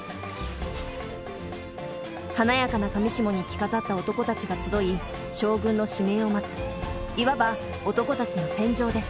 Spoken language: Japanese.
華やかな裃に着飾った男たちが集い将軍の指名を待ついわば男たちの戦場です。